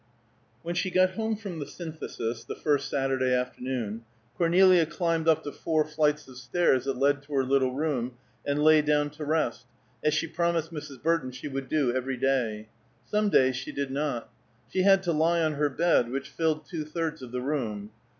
When she got home from the Synthesis the first Saturday afternoon, Cornelia climbed up the four flights of stairs that led to her little room, and lay down to rest, as she promised Mrs. Burton she would do every day; some days she did not. She had to lie on her bed, which filled two thirds of the room.